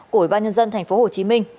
của ubnd tp hcm